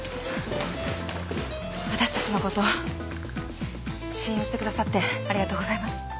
私たちの事信用してくださってありがとうございます。